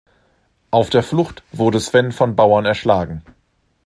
Auf der Flucht wurde Sven von Bauern erschlagen.